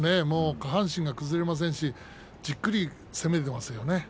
下半身が崩れませんしじっくり攻めますね。